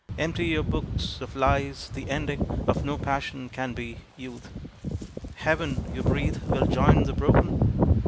Empty your books of lies, the ending Of no passion can be Youth. "Heaven," you breathe, "will join the broken?"